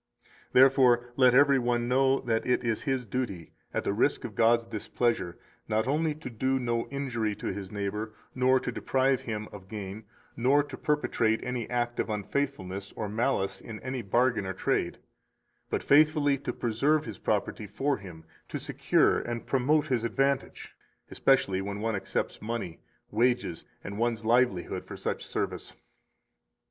233 Therefore let every one know that it is his duty, at the risk of God's displeasure, not only to do no injury to his neighbor, nor to deprive him of gain, nor to perpetrate any act of unfaithfulness or malice in any bargain or trade, but faithfully to preserve his property for him, to secure and promote his advantage, especially when one accepts money, wages, and one's livelihood for such service.